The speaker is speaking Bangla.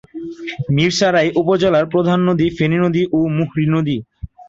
মীরসরাই উপজেলার প্রধান নদী ফেনী নদী ও মুহুরী নদী।